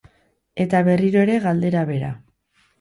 Eta berriro ere galdera bera.